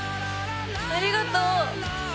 ありがとう！